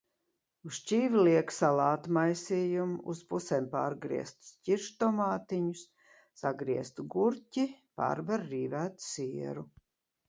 Uz šķīvja liek salātu maisījumu, uz pusēm pārgrieztus ķirštomātiņus, sagrieztu gurķi, pārber rīvētu sieru.